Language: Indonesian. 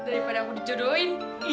daripada aku dijodohin